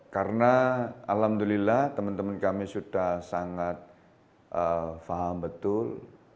karena alhamdulillah teman teman kami sudah sangat paham betul